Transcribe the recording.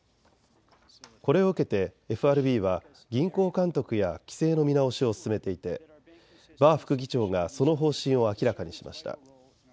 これを受けてＦＲＢは銀行監督や規制の見直しを進めていてバー副議長がその方針を明らかにしました。